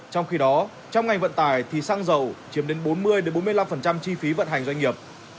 trong khi đó trong ngành vận tải thì xăng dầu chiếm đến bốn mươi bốn mươi năm chi phí vận hành doanh nghiệp